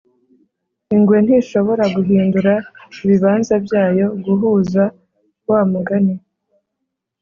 ingwe ntishobora guhindura ibibanza byayo guhuza wa mugani